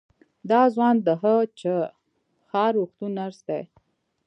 دا ځوان د هه چه ښار روغتون نرس دی.